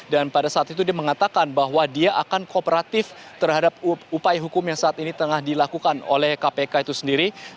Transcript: dan pada saat itu dia mengatakan bahwa dia akan kooperatif terhadap upaya hukum yang saat ini tengah dilakukan oleh kpk itu sendiri